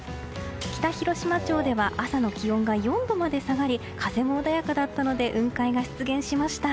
北広島町では朝の気温が４度まで下がり風も穏やかだったので雲海が出現しました。